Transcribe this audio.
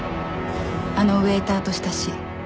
あのウエーターと親しい。